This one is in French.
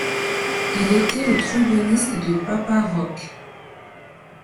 Il était le tromboniste de Papa Roach.